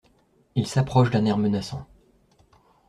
Il s’approche d’un air menaçant.